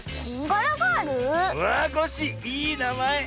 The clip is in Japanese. あっコッシーいいなまえ。